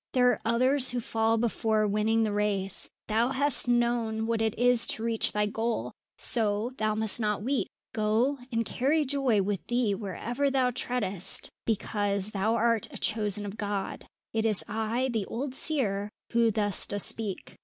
There are others who fall before winning the race; thou hast known what it is to reach thy goal; so, thou must not weep. Go, and carry joy with thee wherever thou treadest, because thou art a Chosen of God. It is I, the old seer, who thus does speak."